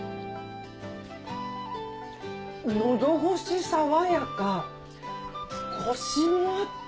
喉越し爽やかコシもあって。